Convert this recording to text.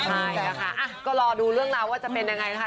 ใช่นะคะก็รอดูเรื่องราวว่าจะเป็นยังไงนะคะ